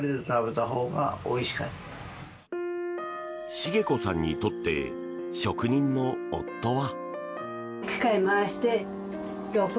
茂子さんにとって職人の夫は。